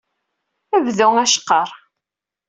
Bdu aceqqer.